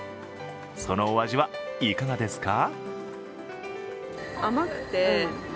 そのお味はいかがですか？